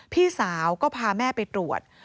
พี่สาวก็พาแม่ไปตรวจ